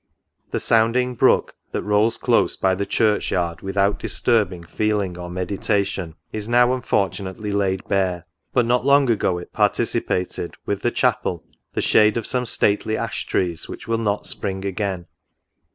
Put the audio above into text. The sounding brook, that rolls close by the church yard without disturbing feeling or meditation, is now unfortu nately laid bare ; but not long ago it participated, with the chapel, the shade of some stately ash trees, which will not spring again.